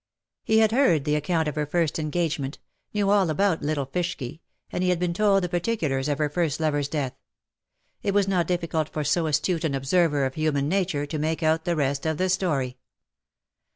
He had heard the account of her first engagement — knew all about little Fishky — and he had been told the particulars of her first lover's death. It was not difficult for so astute an observer of human nature to make out the rest of the story.